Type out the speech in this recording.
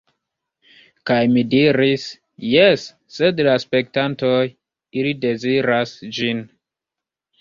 Kaj mi diris: "Jes, sed la spektantoj ili deziras ĝin."